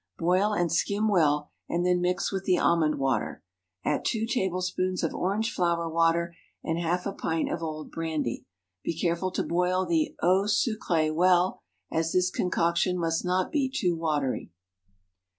Boil and skim well, and then mix with the almond water. Add two tablespoonfuls of orange flower water, and half a pint of old brandy. Be careful to boil the eaû sucré well, as this concoction must not be too watery.